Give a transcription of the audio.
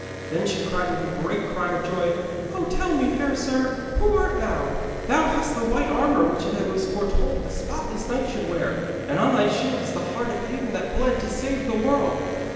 Then she cried with a great cry of joy. 'Oh, tell me, fair sir, who art thou? Thou hast the white armour which it was foretold the spotless knight should wear, and on thy shield is the Heart as of Him that bled to save the world.'